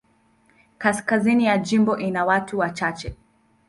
Kaskazini ya jimbo ina watu wachache.